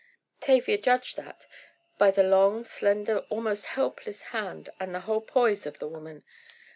Tavia judged that, by the long, slender, almost helpless hand and the whole poise of the woman.